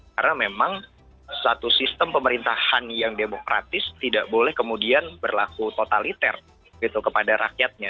karena memang satu sistem pemerintahan yang demokratis tidak boleh kemudian berlaku totaliter gitu kepada rakyatnya